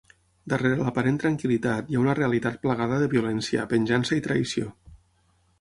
Darrere l’aparent tranquil·litat hi ha una realitat plagada de violència, venjança i traïció.